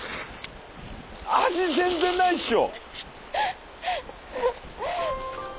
味全然ないでしょ！